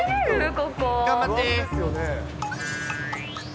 ここ。頑張って。